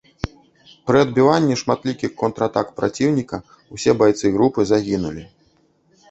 Пры адбіванні шматлікіх контратак праціўніка усе байцы групы загінулі.